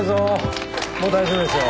もう大丈夫ですよ